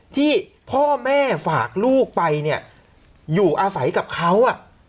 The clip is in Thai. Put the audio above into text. ที่พ่อแม่ฝากลูกไปเนี่ยอยู่อาศัยกับเขา